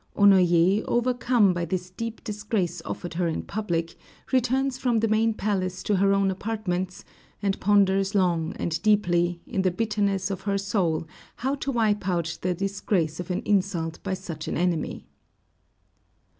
Onoyé, overcome by this deep disgrace offered her in public, returns from the main palace to her own apartments, and ponders long and deeply, in the bitterness of her soul, how to wipe out the disgrace of an insult by such an enemy.